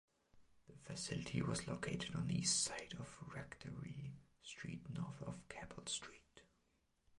The facility was located on east side of Rectory Street north of Cabell Street.